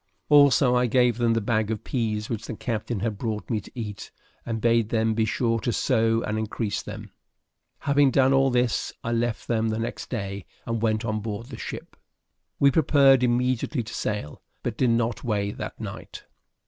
Also, I gave them the bag of peas which the captain had brought me to eat, and bade them be sure to sow and increase them. Having done all this I left them the next day and went on board the ship. We prepared immediately to sail, but did not weigh that night.